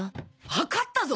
わかったぞ！